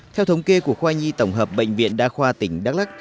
theo thống kê của khoa nhi tổng hợp bệnh viện đa khoa tỉnh đắk lắc